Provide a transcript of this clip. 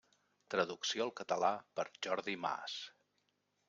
Traducció al català per Jordi Mas.